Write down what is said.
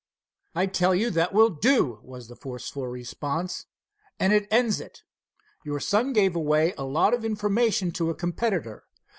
"I tell you that will do," was the forcible response, "and it ends it. Your son gave away a lot of information to a competitor.